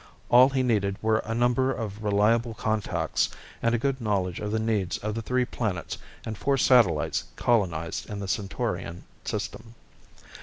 All he needed were a number of reliable contacts and a good knowledge of the needs of the three planets and four satellites colonized in the Centaurian system.